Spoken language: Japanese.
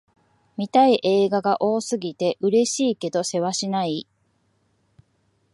見たい映画が多すぎて、嬉しいけどせわしない